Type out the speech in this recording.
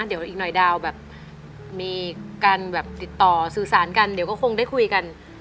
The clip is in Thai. เดี๋ยวอีกหน่อยดาวแบบมีการแบบติดต่อสื่อสารกันเดี๋ยวก็คงได้คุยกัน